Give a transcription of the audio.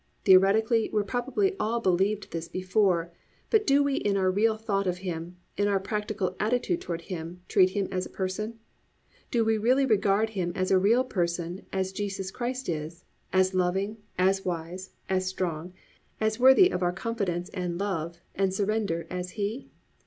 Theoretically we probably all believed this before, but do we in our real thought of Him, in our practical attitude toward Him, treat Him as a person? Do we really regard Him as real a person as Jesus Christ is, as loving, as wise, as strong, as worthy of our confidence and love, and surrender as He?